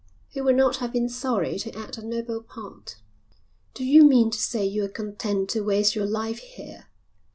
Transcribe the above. He would not have been sorry to act a noble part. "Do you mean to say you're content to waste your life here?